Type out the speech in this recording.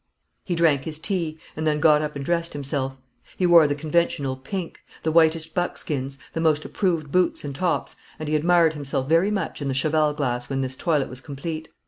He drank his tea, and then got up and dressed himself. He wore the conventional "pink," the whitest buckskins, the most approved boots and tops; and he admired himself very much in the cheval glass when this toilet was complete.